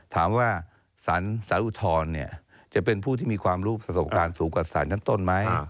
ถามว่าสารอุทธรณ์จะเป็นผู้ที่มีความรู้ประสบการณ์สูงกว่าสารชั้นต้นไหม